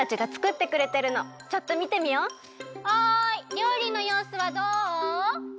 りょうりのようすはどう？